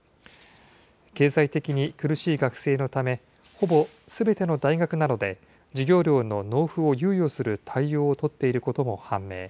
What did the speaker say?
経済的に苦しい学生のため、ほぼすべての大学などで授業料の納付を猶予する対応を取っていることも判明。